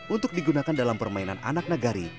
untuk digunakan dalam permainan anak negari